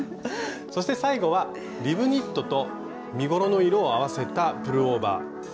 そして最後はリブニットと身ごろの色を合わせたプルオーバー。